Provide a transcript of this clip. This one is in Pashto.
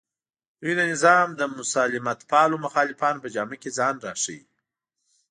دوی د نظام د مسالمتپالو مخالفانو په جامه کې ځان راښیي